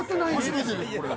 初めてですこれ。